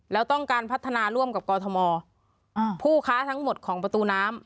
แล้วต้องการพัฒนาร่วมกับกอทมผู้ค้าทั้งหมดของประตูน้ำ